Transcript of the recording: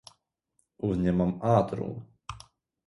Uzņemam ātrumu.